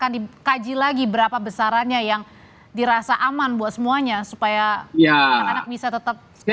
akan dikaji lagi berapa besarannya yang dirasa aman buat semuanya supaya anak anak bisa tetap